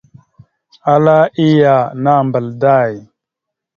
Ala iyah, nambal day !